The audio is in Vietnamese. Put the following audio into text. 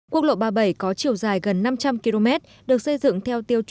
quốc lộ ba mươi bảy có chiều dài gần năm trăm linh km được xây dựng theo tiêu chí